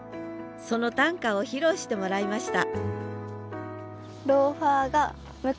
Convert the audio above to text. その短歌を披露してもらいました